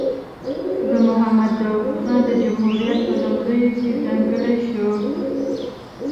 د محمد داود خان د جمهوریت په لومړیو کې ځانګړې شوه.